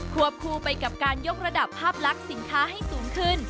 วบคู่ไปกับการยกระดับภาพลักษณ์สินค้าให้สูงขึ้น